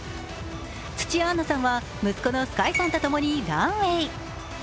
土屋アンナさんは息子の澄海さんとともにランウェイ。